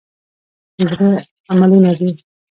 د زړه عملونه دي .